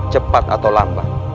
cepat atau lambat